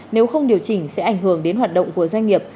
nếu không điều chỉnh sẽ ảnh hưởng đến hoạt động của doanh nghiệp